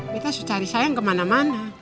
kita harus cari sayang kemana mana